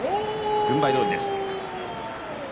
軍配どおりです。